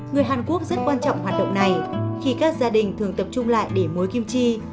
người hàn quốc rất quan trọng hoạt động này khi các gia đình thường tập trung lại để muối kim chi